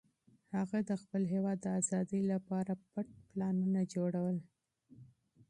هغه د خپل هېواد د ازادۍ لپاره پټ پلانونه جوړول.